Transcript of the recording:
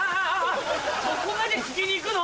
そこまで聞きにいくの？